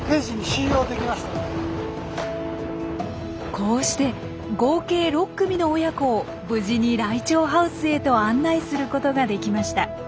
こうして合計６組の親子を無事にライチョウハウスへと案内することができました。